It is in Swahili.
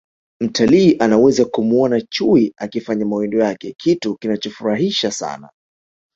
mtalii anaweza kumuona chui akifanya mawindo yake kitu kinachofurahisha sana